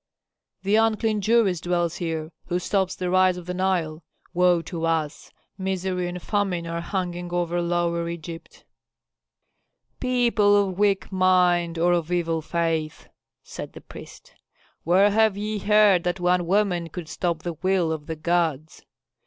"The unclean Jewess dwells here, who stops the rise of the Nile. Woe to us! misery and famine are hanging over Lower Egypt." "People of weak mind or of evil faith," said the priest, "where have ye heard that one woman could stop the will of the gods?